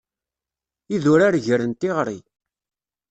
Idurar gren tiγri.